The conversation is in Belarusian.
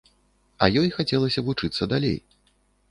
А ёй хацелася вучыцца далей.